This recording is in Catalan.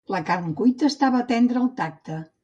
La carn cuita estava tendre al tacte.